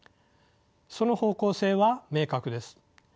その方向性は明確です。